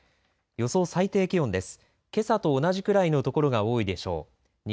予想最低気温です。